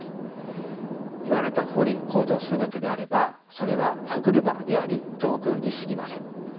言われたとおり行動するだけであればそれは歯車であり道具にすぎません。